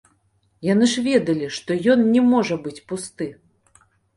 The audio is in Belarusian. Яны ж ведалі, што ён не можа быць пусты.